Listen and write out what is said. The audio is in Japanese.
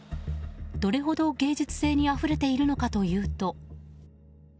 どれほど芸術性にあふれているのかというと。